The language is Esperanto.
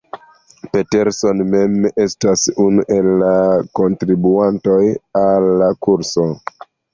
Peterson mem estas unu el la kontribuantoj al la kurso.